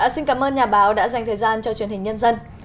xin cảm ơn nhà báo đã dành thời gian cho truyền hình nhân dân